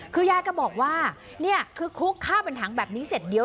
คือยายก็บอกว่าคลุ๊กข้าวเป็นถังแบบนี้เสร็จเดียว